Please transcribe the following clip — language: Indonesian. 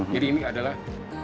jadi ini adalah